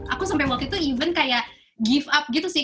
aku sampai waktu itu even kayak give up gitu sih